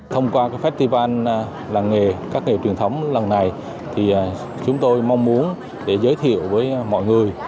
thông qua festival các nghề truyền thống lần này chúng tôi mong muốn giới thiệu với mọi người